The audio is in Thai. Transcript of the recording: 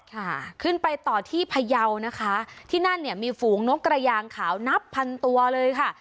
ค่ะขึ้นไปต่อที่พยาวนะคะที่นั่นเนี่ยมีฝูงนกกระยางขาวนับพันตัวเลยค่ะ